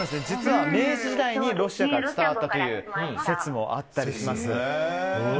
実は明治時代にロシアから伝わったという説もあったりします。